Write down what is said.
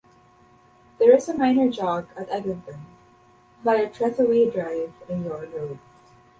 There is a minor jog at Eglinton, via Trethewey Drive and Yore Road.